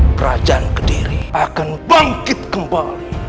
kerajaan kediri akan bangkit kembali